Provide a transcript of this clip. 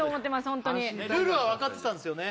ホントにルールは分かってたんですよね